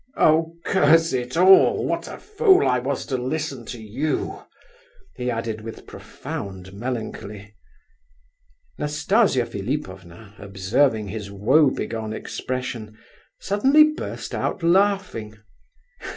"Oh, curse it all! What a fool I was to listen to you!" he added, with profound melancholy. Nastasia Philipovna, observing his woe begone expression, suddenly burst out laughing.